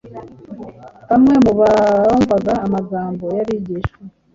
Bamwe mu bumvaga amagambo y’abigishwa